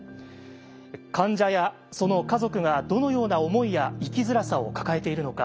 患者やその家族がどのような思いや「生きづらさ」を抱えているのか。